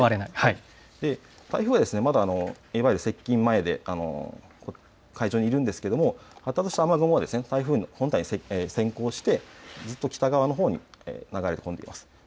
台風はまだ、いわゆる接近前で海上にいるんですが発達した雨雲は台風の本体に先行してずっと北側のほうに流れ込んでいます。